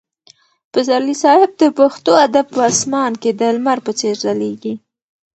پسرلي صاحب د پښتو ادب په اسمان کې د لمر په څېر ځلېږي.